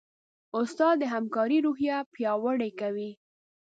استاد د همکارۍ روحیه پیاوړې کوي.